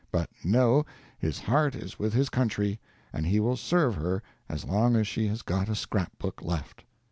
But no his heart is with his country, and he will serve her as long as she has got a scrapbook left.